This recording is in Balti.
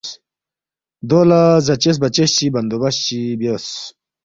دو لہ زاچس بچس چی بندوبست چی بیوس